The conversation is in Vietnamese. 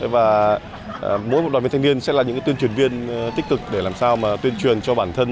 và mỗi một đoàn viên thanh niên sẽ là những tuyên truyền viên tích cực để làm sao mà tuyên truyền cho bản thân